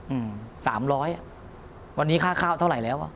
อืม๓๐๐อ่ะวันนี้ค่าข้าวเท่าไหร่แล้ว